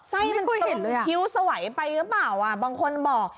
ไส้มันติดคิ้วสวัยไปหรือเปล่าบางคนบอก